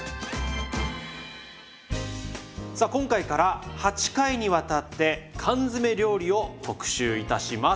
さあ今回から８回にわたって缶詰料理を特集いたします。